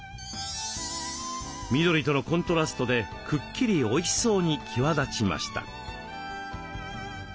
緑とのコントラストでくっきりおいしそうに際立ちました。